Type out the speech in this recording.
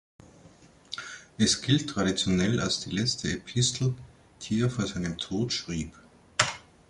Es gilt traditionell als die letzte Epistel, die er vor seinem Tod schrieb.